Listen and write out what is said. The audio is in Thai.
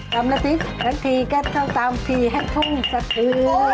ทำละติดทั้งทีก็ต้องตามทีให้พุ่งสะเกลือ